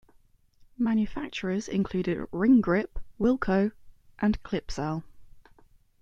Manufacturers included Ring Grip, Wilco and Clipsal.